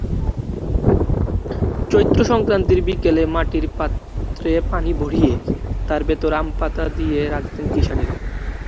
চৈত্রসংক্রান্তির বিকেলের মাটির পাত্রে পানি ভরিয়ে তার ভেতর আমপাতা দিয়ে রাখতেন কিষানিরা।